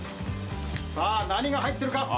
さあ、何が入ってるか。